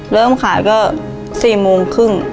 เริ่มขายก็๔โมงครึ่ง